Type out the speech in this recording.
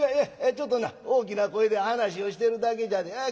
ちょっとな大きな声で話をしてるだけじゃであ